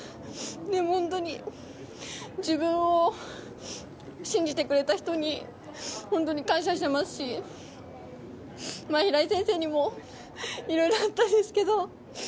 本当に自分を信じてくれた人に本当に感謝してますし平井先生にもいろいろあったんですけど。